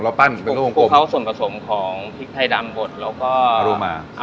ปั้นเป็นลูกเขาส่วนผสมของพริกไทยดำบดแล้วก็รูมา